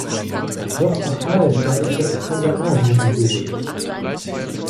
Noch archaischer ist das Tanderagee-Idol.